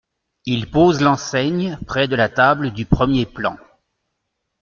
Il pose l’enseigne près de la table du premier plan.